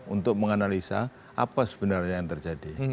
untuk menganalisa apa sebenarnya yang terjadi